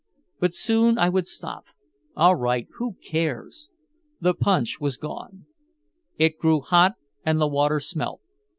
But soon I would stop. "All right who cares?" The punch was gone. It grew hot and the water smelt.